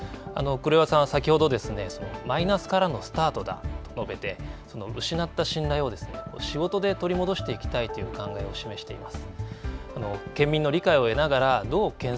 黒岩さん、先ほどマイナスからのスタートだと述べて失った信頼を仕事で取り戻していきたいという考えを示しています。